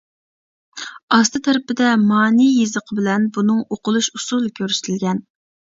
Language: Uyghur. ئاستى تەرىپىدە مانى يېزىقى بىلەن بۇنىڭ ئوقۇلۇش ئۇسۇلى كۆرسىتىلگەن.